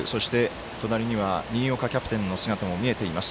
隣には新岡キャプテンの姿も見えています。